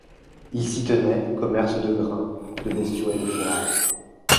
Il s'y tenait commerce de grains, de bestiaux et de fourrage.